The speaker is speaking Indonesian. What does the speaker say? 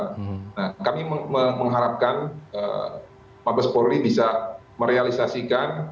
nah kami mengharapkan mabes polri bisa merealisasikan